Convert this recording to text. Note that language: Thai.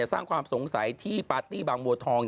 สร้างความสงสัยที่ปาร์ตี้บางบัวทอง